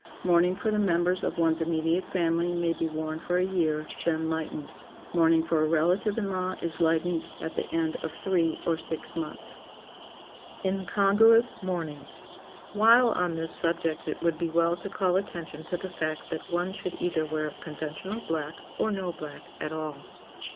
Mourning for the members of one's immediate family may be worn for a year, then lightened. Mourning for a relative in law is lightened at the end of three or six months. [Sidenote: INCONGRUOUS MOURNING] While on this subject it would be well to call attention to the fact that one should either wear conventional black, or no black at all.